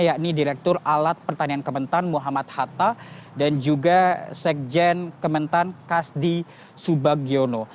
yakni direktur alat pertanian kementan muhammad hatta dan juga sekjen kementan kasdi subagiono